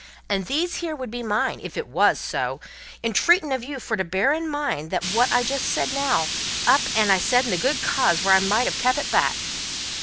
And these here would be mine, if it wos so, entreatin' of you fur to bear in mind that wot I said just now, I up and said in the good cause when I might have kep' it back."